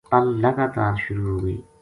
پل لگاتار شروع ہوگئی